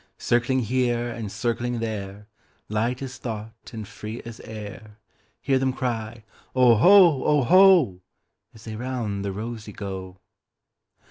Circling here and circling there, Light as thought and free as air, Hear them cry, "Oho, oho,"As they round the rosey go.